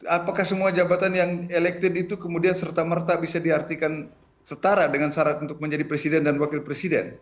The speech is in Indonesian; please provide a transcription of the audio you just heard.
apakah semua jabatan yang elected itu kemudian serta merta bisa diartikan setara dengan syarat untuk menjadi presiden dan wakil presiden